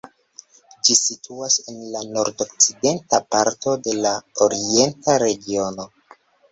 Ĝi situas en la nordokcidenta parto de la Orienta Regiono.